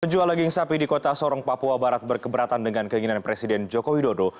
penjual daging sapi di kota sorong papua barat berkeberatan dengan keinginan presiden joko widodo